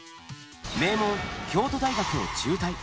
名門、京都大学を中退。